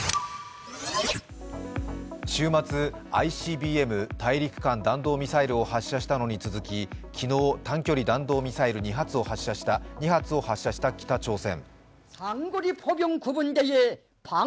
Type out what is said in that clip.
週末、ＩＣＢＭ＝大陸間弾道ミサイルを発射したのに続き、昨日、短距離弾道ミサイル２発を発射した北朝鮮。